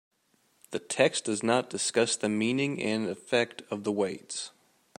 The text does not discuss the meaning and effect of the weights.